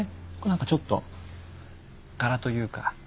何かちょっと柄というか。